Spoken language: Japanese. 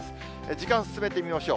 時間進めてみましょう。